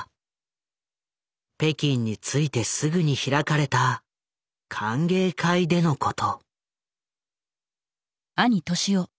北京に着いてすぐに開かれた歓迎会でのこと。